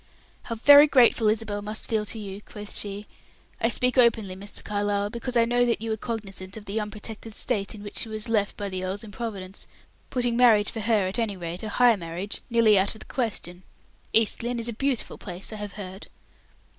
"How very grateful Isabel must feel to you," quoth she. "I speak openly, Mr. Carlyle, because I know that you were cognizant of the unprotected state in which she was left by the earl's improvidence, putting marriage for her, at any rate, a high marriage, nearly out of the question. East Lynne is a beautiful place, I have heard."